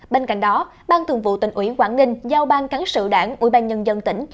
bên cạnh đó ban thường vụ tỉnh ủy quảng ninh giao ban cán sự đảng ủy ban nhân dân tỉnh